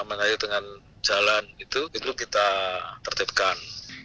mengayur dengan jalan itu itu kita tertipkan